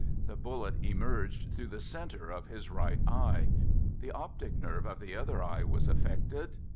The bullet emerged through the center of his right eye. The optic nerve of the other eye was affected.